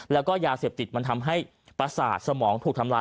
แล้วก็ยาเสพติดมันทำให้ประสาทสมองถูกทำลาย